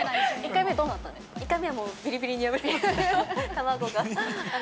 １回目、どうだったんですか？